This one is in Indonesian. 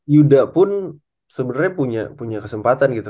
yuda pun sebenarnya punya kesempatan gitu